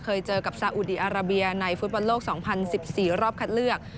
เคยเจอกับสาอุดีอาราเบียในฟู้ดประโลกสองพันสิบสี่รอบคัดเลือก